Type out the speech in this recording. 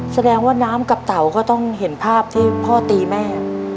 แสดงว่าน้ำกับเต๋าก็ต้องเห็นภาพที่พ่อตีแม่